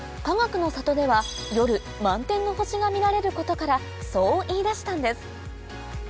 かがくの里では夜満天の星が見られることからそう言い出したんです